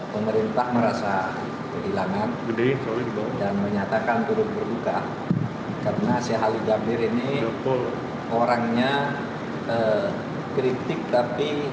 pemerintah merasa kehilangan dan menyatakan turut berduka karena syahli jabir ini orangnya kritik tapi